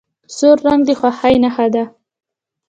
سور رنګ د خوښۍ نښه ده.